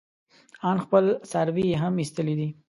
ان خپل څاروي يې هم ايستلي دي.